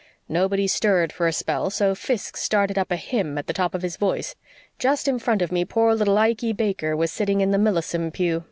Nobody stirred for a spell, so Fiske started up a hymn at the top of his voice. Just in front of me poor little Ikey Baker was sitting in the Millison pew.